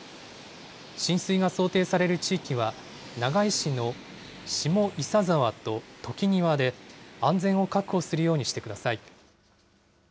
浸水が想定される地域は、長井市の下伊佐沢と時庭で、安全を確保するようにしてください。